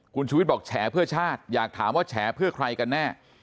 คุณชูวิทย์บอกแฉเพื่อชาติอยากถามว่าแฉเพื่อใครกันแน่